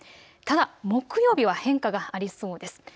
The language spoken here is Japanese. ただ木曜日は変化がありそうです。